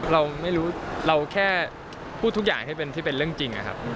เราไม่รู้เราแค่พูดทุกอย่างให้เป็นเรื่องจริงนะครับ